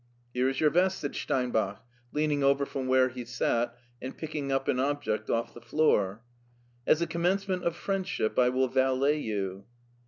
" Here is your vest," said Steinbach, leaning over from where he sat and picking up an object off the floor. ''As a commencement of friendship I will valet you."